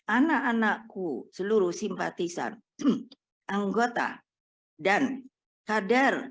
anak anakku seluruh simpatisan anggota dan kader